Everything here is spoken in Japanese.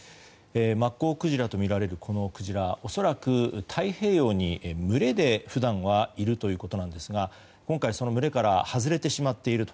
マッコウクジラとみられるこのクジラは恐らく太平洋に群れで普段はいるということですが今回その群れから外れてしまっていると。